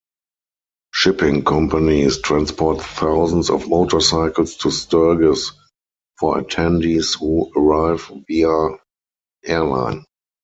Shipping companies transport thousands of motorcycles to Sturgis for attendees who arrive via airline.